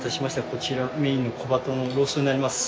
こちらメーンの小鳩のローストになります。